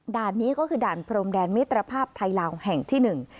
นี้ก็คือด่านพรมแดนมิตรภาพไทยลาวแห่งที่หนึ่ง